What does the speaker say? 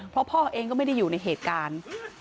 เพราะพ่อเองก็ไม่ได้อยู่ในเหตุการณ์